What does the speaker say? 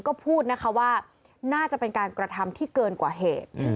ก็พูดนะคะว่าน่าจะเป็นการกระทำที่เกินกว่าเหตุ